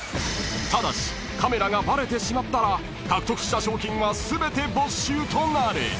［ただしカメラがバレてしまったら獲得した賞金は全て没収となる］